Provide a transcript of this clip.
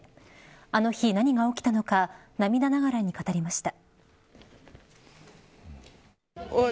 あの日、何が起きたのか涙ながらに語りました。